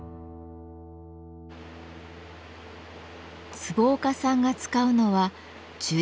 坪岡さんが使うのは樹齢